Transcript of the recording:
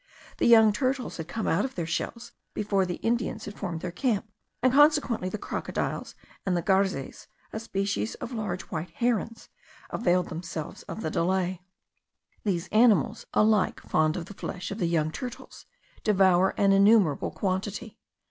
The young turtles had come out of their shells before the Indians had formed their camp; and consequently the crocodiles and the garzes, a species of large white herons, availed themselves of the delay. These animals, alike fond of the flesh of the young turtles, devour an innumerable quantity.